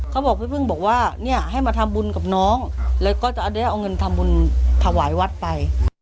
เขาบอกพี่พึ่งบอกว่าเนี่ยให้มาทำบุญกับน้องแล้วก็จะได้เอาเงินทำบุญถวายวัดไป